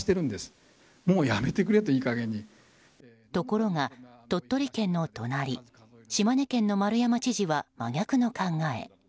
ところが、鳥取県の隣島根県の丸山知事は真逆の考え。